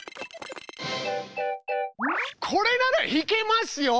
これならひけますよ！